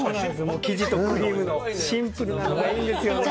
生地とクリームのシンプルなのがいいんですよね。